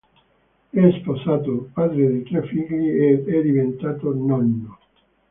È sposato, padre di tre figli ed è diventato nonno.